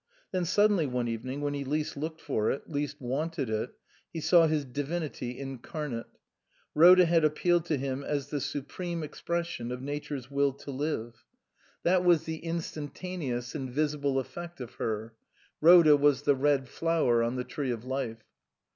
Then suddenly, one evening, when he least looked for it, least wanted it, he saw his divinity incarnate. Rhoda had appealed to him as the supreme expression of Nature's will to live. T.S.Q. 273 T SUPERSEDED That was the instantaneous and visible effect of her. Rhoda was the red flower on the tree of life.